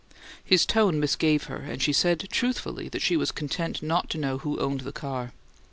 His tone misgave her; and she said truthfully that she was content not to know who owned the car.